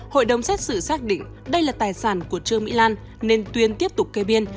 hội đồng xét xử xác định đây là tài sản của trương mỹ lan nên tuyên tiếp tục kê biên